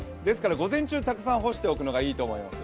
午前中たくさん干しておくのがいいと思いますよ。